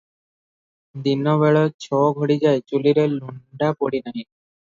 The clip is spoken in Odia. ଦିନ ବେଳ ଛ ଘଡ଼ିଯାଏ ଚୁଲୀରେ ଲୁଣ୍ଡା ପଡିନାହିଁ ।